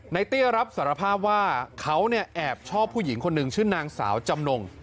เตี้ยรับสารภาพว่าเขาเนี่ยแอบชอบผู้หญิงคนหนึ่งชื่อนางสาวจำนง